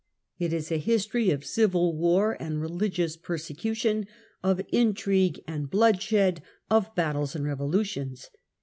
It is a history of civil war and religious persecution, of intrigue and bloodshed, of battles and revolutions.